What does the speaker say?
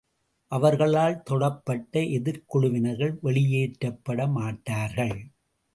அவர்களால் தொடப்பட்ட எதிர்க் குழுவினர்கள் வெளியேற்றப்பட மாட்டார்கள்.